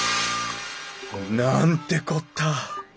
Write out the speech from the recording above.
なんてこった！